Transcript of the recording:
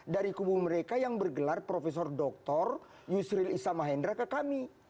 dari kubu mereka yang bergelar profesor doktor yusril issamahendra ke kami